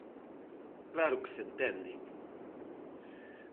¡Claro que se entende!